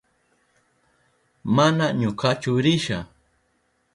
Mana ñukachu risha.